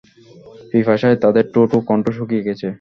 পিপাসায় তাদের ঠোট ও কণ্ঠ শুকিয়ে গেছে।